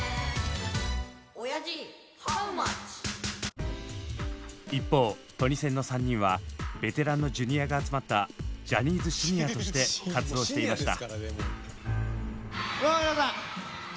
「おやじハウマッチ⁉」一方トニセンの３人はベテランのジュニアが集まったジャニーズＳｒ．として活動していました。